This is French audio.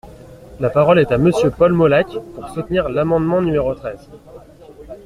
La parole est à Monsieur Paul Molac, pour soutenir l’amendement numéro treize.